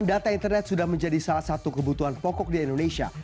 data internet sudah menjadi salah satu kebutuhan pokok di indonesia